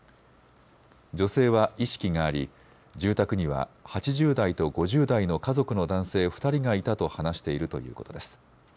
女性は意識があり住宅には８０代と５０代の家族の男性２人がいたと話しているということです。